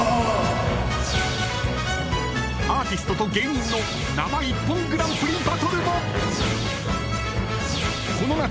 アーティストと芸人の生ＩＰＰＯＮグランプリバトルもこの夏